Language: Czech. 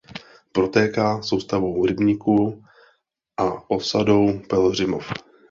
Protéká soustavou rybníků a osadou Pelhřimov.